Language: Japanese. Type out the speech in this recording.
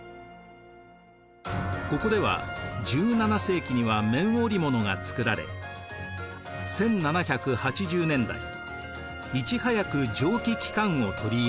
ここでは１７世紀には綿織物が作られ１７８０年代いち早く蒸気機関を取り入れました。